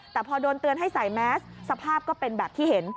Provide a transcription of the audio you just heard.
แต่พอโดนเตือนให้ใส่แมสสภาพก็เป็นแบบที่เห็น